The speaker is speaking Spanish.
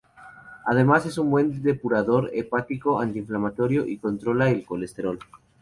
Además es un buen depurador hepático, antiinflamatorio y controla el colesterol.